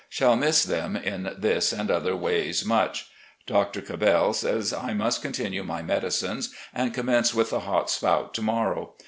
Shall miss them in this and other ways much. Dr. Cabell says I must continue my medicines and commence with the hot spout to morrow.